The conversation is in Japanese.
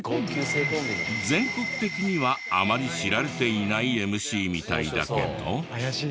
全国的にはあまり知られていないＭＣみたいだけど。